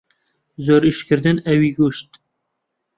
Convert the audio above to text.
زۆر ئیشکردن ئەوی کوشت.